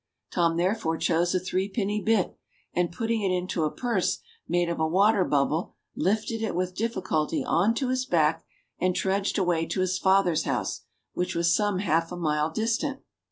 Tom therefore chose a threepenny bit, and putting it into a purse made of a water bubble, hfted it with difficulty on to his back, and trudged away to his father's house, which was some half a mile distant.